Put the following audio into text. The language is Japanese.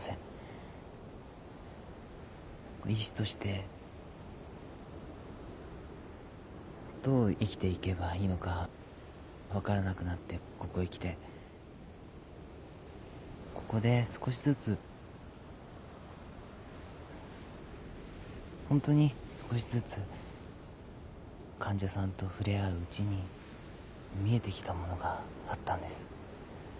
医師としてどう生きていけばいいのか分からなくなってここへ来てここで少しずつホントに少しずつ患者さんと触れ合ううちに見えてきたものがあったんです。